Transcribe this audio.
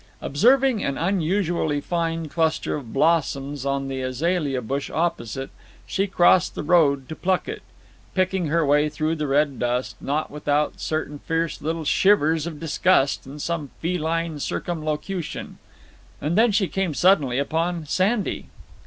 Observing an unusually fine cluster of blossoms on the azalea bush opposite, she crossed the road to pluck it picking her way through the red dust, not without certain fierce little shivers of disgust and some feline circumlocution. And then she came suddenly upon Sandy!